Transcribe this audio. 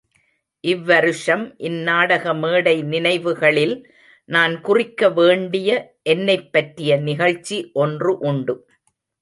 இவ்வருஷம் இந் நாடக மேடை நினைவுகளில் நான் குறிக்க வேண்டிய, என்னைப் பற்றிய நிகழ்ச்சி ஒன்று உண்டு.